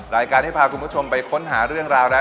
รายการที่พาคุณผู้ชมไปค้นหาเรื่องราวแล้ว